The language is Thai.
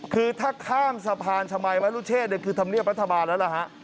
คือถ้าข้ามสะพานชมัยวรุเชษคือธรรมเนียบรัฐบาลแล้วล่ะฮะ